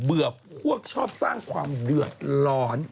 เบื่อพวกชอบสร้างความเดือดร้อน